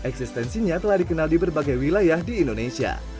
eksistensinya telah dikenal di berbagai wilayah di indonesia